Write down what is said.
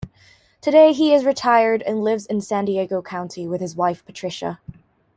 Today, he is retired and lives San Diego County with his wife, Patricia.